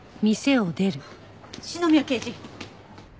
篠宮刑事。